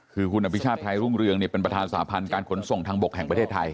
คือคุณอภิชาติไทยรุ่งเรืองเป็นประธานสาพันธ์การขนส่งทางบกแห่งประเทศไทย